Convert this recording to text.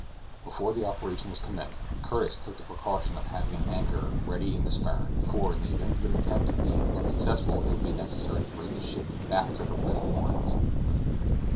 Before the operation was commenced, Curtis took the precaution of having an anchor ready in the stern, for, in the event of the attempt being unsuccessful, it would be necessary to bring the ship back to her present moorings.